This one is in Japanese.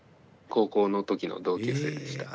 高校の時の同級生でした。